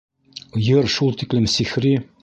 Йыр шул тиклем сихри.